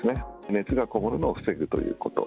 熱がこもるのを防ぐということ。